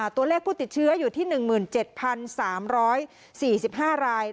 ตัวเลขผู้ติดเชื้ออยู่ที่หนึ่งหมื่นเจ็ดพันสามร้อยสี่สิบห้าราย